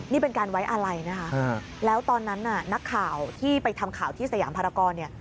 นี่เป็นการไว้อะไรนะคะแล้วตอนนั้นน่ะนักข่าวที่ไปทำข่าวที่สยามภารกรเนี่ย